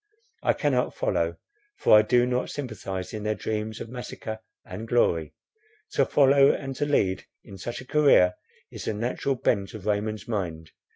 —I cannot follow; for I do not sympathize in their dreams of massacre and glory—to follow and to lead in such a career, is the natural bent of Raymond's mind.